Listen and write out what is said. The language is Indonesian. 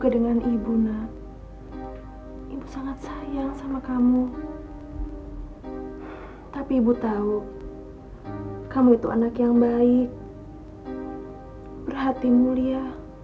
dengan ibu nak ibu sangat sayang sama kamu tapi ibu tahu kamu itu anak yang baik berhati mulia